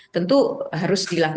tentu harus dilakukan